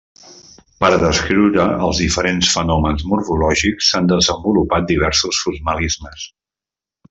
Per a descriure els diferents fenòmens morfològics s'han desenvolupat diversos formalismes.